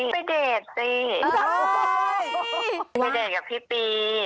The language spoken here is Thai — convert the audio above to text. ไปเดทกับพี่ปี